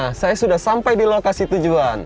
nah saya sudah sampai di lokasi tujuan